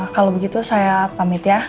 kalau begitu saya pamit ya